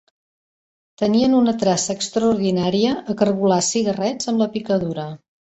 Tenien una traça extraordinària a cargolar cigarrets amb la picadura